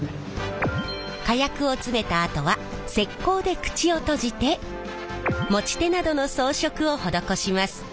火薬を詰めたあとは石こうで口を閉じて持ち手などの装飾を施します。